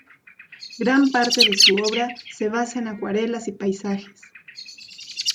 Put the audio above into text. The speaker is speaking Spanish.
Gran parte de su obra se basa en acuarelas y paisajes.